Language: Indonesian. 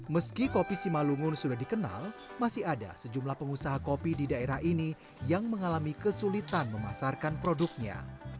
meski kopi simalungun sudah dikenal masih ada sejumlah pengusaha kopi di daerah ini yang mengalami kesulitan memasarkan produknya